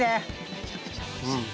めちゃくちゃおいしい。